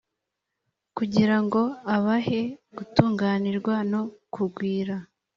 kugira ngo abahe gutunganirwa no kugwira,